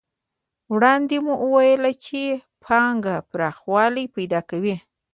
وړاندې مو وویل چې پانګه پراخوالی پیدا کوي